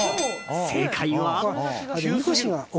正解は。